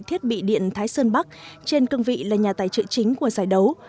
thiết bị điện thái sơn bắc trên cương vị là nhà tài trợ chính của giải đấu